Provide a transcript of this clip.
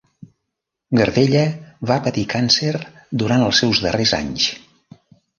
Gardella va patir càncer durant els seus darrers anys.